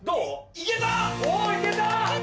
いけた！